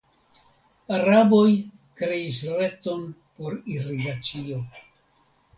Araboj kreis reton por irigacio.